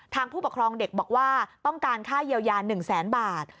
ผู้ปกครองเด็กบอกว่าต้องการค่าเยียวยา๑แสนบาท